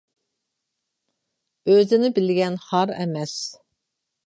ئۆزىنى بىلگەن خار ئەمەس.